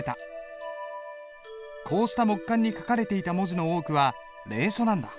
こうした木簡に書かれていた文字の多くは隷書なんだ。